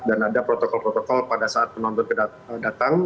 dan ada protokol protokol pada saat penonton datang